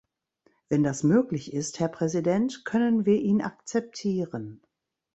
Wenn das möglich ist, Herr Präsident, können wir ihn akzeptieren.